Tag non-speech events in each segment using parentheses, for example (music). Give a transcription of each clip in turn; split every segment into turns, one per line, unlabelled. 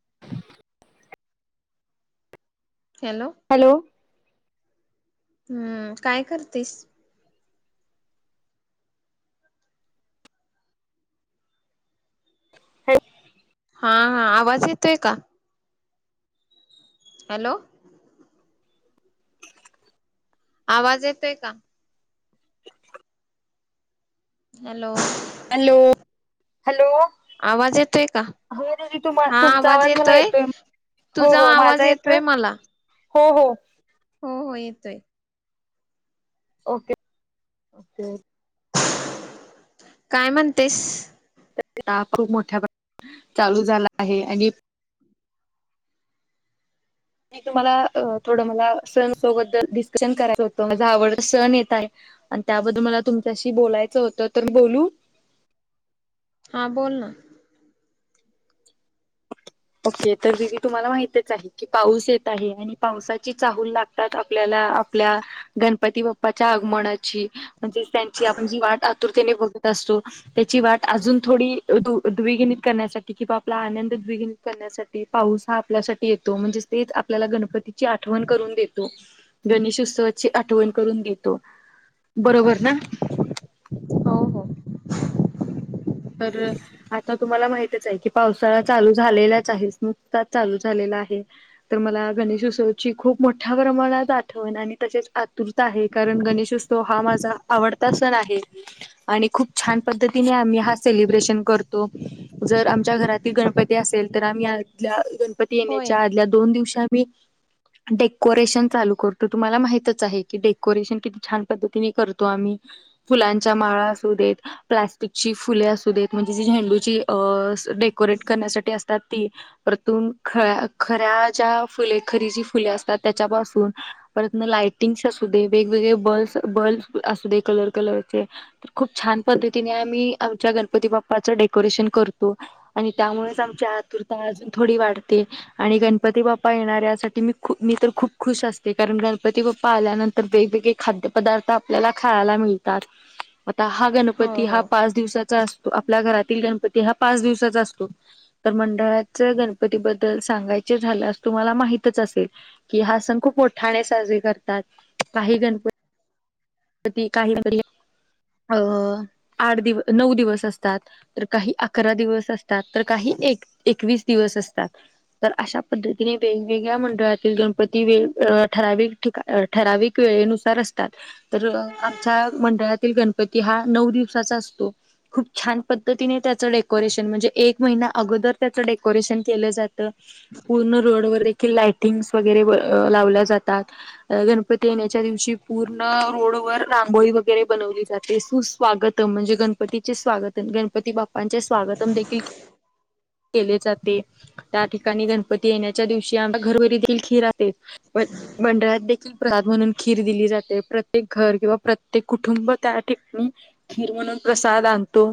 (inaudible)
Hello. हम्म काय करतेस. हा हा आवाज येतोय का? हॅलो. आवाज येतोय का? हॅलो.
Hello hello.
आवाज येतोय का
हो दीदी तुम्हा-तुमचा आवाज मला येतोय. हो
तुझा
हो
आवाज
माझा येतोय
मला
हो हो.
हो हो येतोय.
ओके ओके ओ
काय म्हणतेस.
सध्या खूप मोठ्या प्रमाणात चालू झाला आहे आणि मी तुम्हाला थोडं मला सण सोबत डिस्कशन करायचं होतं माझ आवडता सण येत आहे आणि त्याबद्दल मला तुमच्याशी बोलायचं होतं तर बोलू
हा बोल ना
ओके तर दीदी तुम्हाला माहितच आहे की पाऊस येत आहे आणि पावसाची चाहूल लागतात आपल्याला आपल्या गणपती बाप्पाच्या आगमनाची म्हणजेच त्यांची आपण जी‌ वाट आतुरतेने बग असो त्याची वाट अजून थोडी दू-द्विगुणित करण्यासाठी किंवा आपला आनंद दवि करण्यासाठी पाऊस हा आपल्यासाठी येतो म्हणजेच तेच आपल्याला गणपतीची आठवण करून देतो गणेश उत्सवाची आठवण करून देतो बरोबर ना
हो हो
तर आता तुम्हाला माहितच आहे की पावसाळा चालू झालेलाच आहेस नुकताच चालू झालेला आहे तर मला गणेशोत्सवाची खूप मोठ्या प्रमाणात आठवण आणि तशीच आतुर रता आहे कारण गणेशोत्सव हा माझा चा आवडता सण आहे आणि खूप छान पद्धतीने आम्ही हा स सेलब्रेशन करतो जर आमच्या घराती गणपती असेल तर आम्ही आदल्या (inaudible) पती
होय
येण्याच्या आदल्या दोन दिवशा आमी डेकोरेशन चालू करतो तुम्हाला माहितच आहे की डेकोरेशन किती छान पद्धतीने करतो आम्ही फुलांच्या माळा असू देत प्लास्टिकची फुले असू देत म्हणजे जी झेंडूची अं डेकोरेट करण्यासाठी अस ती परतून ख खऱ्या ज्या फुले खरी जी फुले असतात त्याच्यापासून परत लाईटिंग्स असू दे वेगवेगळे बल्स-बल्ब असू दे कलर कलरचे तर खूप छान पद्धतीने आमी आमच्या गणपती बाप्पाचं डेकोरेशन करतो आणि त्यामुळेच आमच्या आतुर या अजून थोडी वाढते आणि गणपती बाप्पा येणार यासाठी मी खू- मी तर खूप खुश असते कारण गणपती गप्पा आल्यानंतर वेगवेगळे खाद्य पदार्थ आपल्याला खायाला मिळतात आता हा
हो
गणपती हा
हो
पाच पाच दिवसाचा असतो आपल्या घरातील गणपती हा पाच दिवसाचा असतो तर मंडळाच गणपतीबद् सांगायचे झाले तुमला माहितच असेल की हा सण खूप मोठाणे साजरी करतात काही गणपत (inaudible) अ आठ दिव नऊ दिवस असतात तर काही अकरा दिवस असतात तर काही एक एकवीस दिवस असतात तर अशा पद्धतीने वेगवेगळ्या मंडळातील गणपती वेग अं ठराविक अं ठराविक वेळे नुसार असतात तर अं आमच्या मंडळातील गणपती हा नऊ दिवसाचा असतो खूप छान पद्धतीने त्याचं डेकोरेशन म्हणजे एक महिना अगोदर त्याचं डेकोरेशन केलं जातं पूर्ण रोडवर एक लाइटिंगस् वगैरे लावल्या जातात. गणपती येण्याच्या दिवशी पूर्ण- रांगोळी वगैरे बनवली जाते. सुस्वागत म्हणजे गणपतीचे स्वागत गणपती बप्पां चे स्वागतम् देखील केले जाते त्या ठिकाणी गणपती येण्याच्या दिवशी आमच्या घरोघरी देखील खीर राहते मंडळात देखील प्रसाद म्हणून खीर दिली जाते. प्र प्रत्येक घर किंवा प्रत्येक कुटुंब त्या ठिकाणी खीर म्हणून प्रसाद आणतो.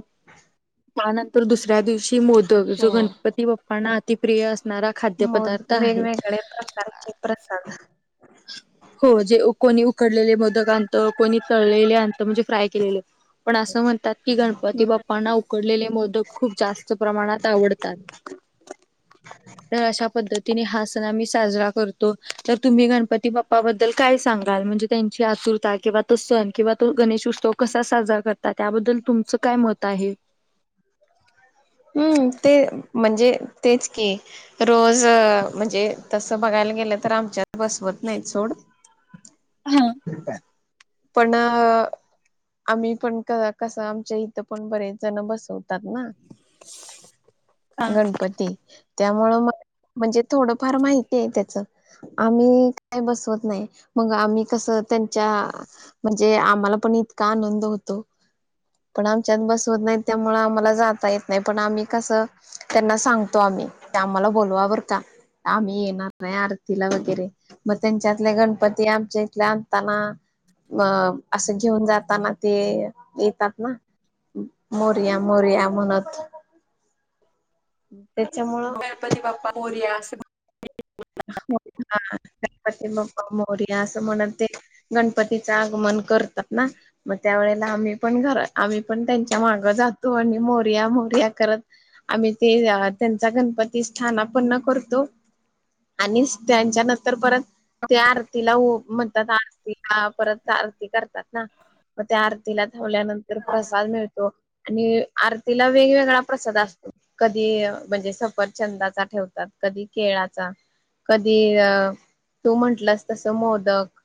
त्यानंतर दुसऱ्या दिवशी मोदक जो
हो
गणपती बाप्पांना अतिप्रिय अस. णारा खाद्य
मग
पदार्थ आहे.
वेगवेगळे प्रकारचे प्रसाद (inaudible)
हो जे कोणी उकडलेले मोदक आणत, कोणी तळलेले आणत म्हणजे फ्राय केलेले. पण असं म्हणतात की गणपती बाप्पांना उकडलेले मोदक खूप जास्त प्रमाणात आवडतात.
(inaudible)
तर अशा पद्धतीने हा सण आम्ही साजरा करतो. तर तुम्ही गणपती बाप्पाबद्दल काय सांगाल म्हणजेच त्यांची आतुरता किंवा, तो सण किंवा तो गणेश उत्सव कसा साजरा करतात त्याबद्दल तुमचं काय मत आहे?
हं ते म्हणजे तेच की. रोज म्हणजे तसं बघायला गेलं तर आमच्यात बसवत नाहीत सोड.
हा
पण. आम्ही पण क कसं. आमच्या इथं पण बरेच जण बसवतात ना.
हा
गणपती त्यामुळं मग - म्हणजे थोडंफार माहिती आहे त्याच. आम्ही काय बसवत नाही. मग आम्ही कस. त्यांच्या म्हणजे आम्हाला पण इतका आनंद होतो. पण आमच्यात बसवत नाही, त्यामुळे आम्हाला जाता येत नाही. पण आम्ही कसं त्यांना सांगतो. आम्ही. ते आम्हाला बोलवा बर का. ! आम्ही येणार आहे आरतीला वगैरे मग त्यांच्यातले गणपती आमच्या इथले आणताना - म असं घेऊन जाताना ते येतात ना - मोरया-मोरया म्हणत. त्याच्यामुळं
गणपती बाप्पा मोरया अस म्हणत.
हो हा. गणपती बाप्पा मोरया असं म्हणत. ते गणपतीच आगमन करतात. ना मग त्या वेळेला आम्ही पण घर आम्ही पण त्यांच्या मागं जातो आणि मोरया, मोरया करत आम्ही ते त्यांचा गणपती स्थानापन्न करतो. आणि त्यांच्या नंतर परत त्या आरतीला ओव आरतीला परत आरती करतात ना, मग त्या आरतीला ठेवल्यानंतर प्रसाद मिळतो. आणि आरतीला वेगवेगळा प्रसाद असतो. कधी म्हणजे सफरचंदाचा ठेवतात, कधी केळाचा, कधी अ तू म्हंटललास तस मोदक. (inaudible)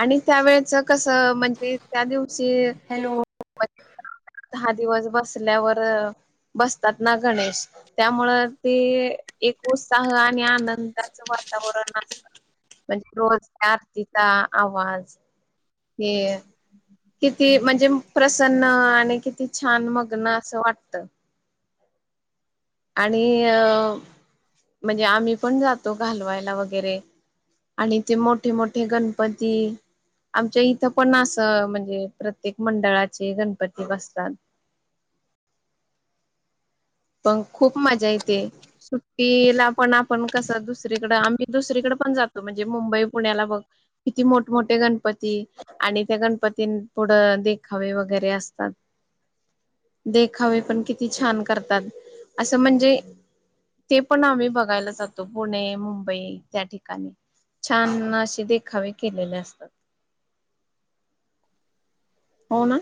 आणि त्यावेेळेच कसं म्हणजे त्या दिवशी
हॅलो
दहा दिवस बसल्यावर बसतात ना, गणेश त्यामुळे ते एक एक उत्साह आणि आनंदाचं वातावरण असतं. म्हणजे रोज त्या आरतीचा आवाज हे किती म्हणजे प्रसन्न आणि किती छान मग्न असं वाटत. आणि अ म्हणजे आम्ही पण जातो. घालवायला वगैरे आणि ते मोठे - मोठे गणपती- आमच्या इथं पण असं म्हणजे प्रत्येक मंडळाचे गणपती बसतात. (inaudible) पण खूप मज्जा येते. सुट्टीला पण आपण कसं दुसरीकडं आम्ही दुसरीकडे पण जातो म्हणजे मुंबई, पुण्याला बघ किती मोठमोठे गणपती आणि त्या गणपतीं पुढं देखावे वगैरे असतात. देखावे पण किती छान करतात? आसं म्हणजे ते पण आम्ही बघायला जातो. पुणे, मुंबई त्या ठिकाणी छान असे देखावे केलेले असतात. हो ना.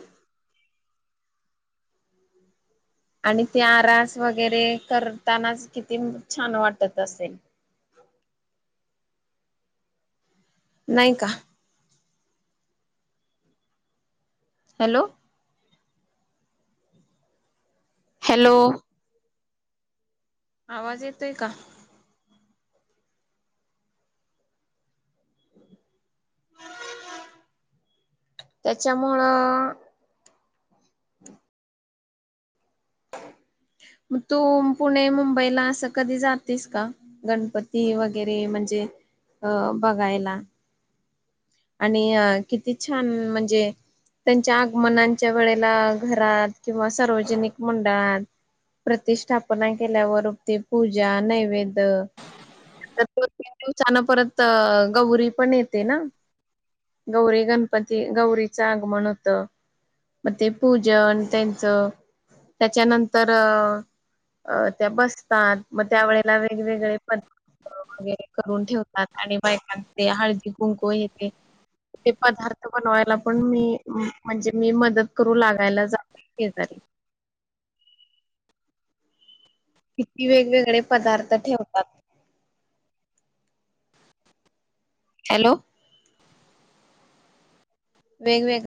आणि ते आरास वगैरे करतानाच, किती छान वाटत असेल? नाही का? हॅलो. हॅलो. आवाज येतोय का? ह (inaudible) त्याच्यामुळं (inaudible) मग तू पुणे मुंबईला असं कधी जातेस का गणपती वगैरे म्हणजे अ बघायला आणि अ किती छान म्हणजे त्यांच्या आगमनांच्या वेळेला घरात किंवा सार्वजनिक मंडळात प्रतिष्ठापना केल्यावर त पूजा नैवेद्य तीन-चार दिवसांनी परत गौरी पण येते ना गौरी गणपती गौरीचं आगमन होतं मग ते पूजन त्यांचं त्याच्यानंतर त्या बसतात मग त्या वेळेला वेगवेगळे पदार्थ वगैरे करून ठेवतात आणि बायकांचे हळदी कुंकू येते ते पदार्थ बनवायला पण मी म्हणजे मी मदत करू लागायला जाते ते शेजारी किती वेगवेगळे पदार्थ ठेवतात हॅलो वेगवेगळे